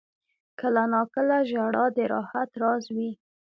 • کله ناکله ژړا د راحت راز وي.